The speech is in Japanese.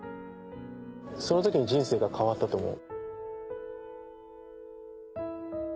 その時に人生が変わったと思う。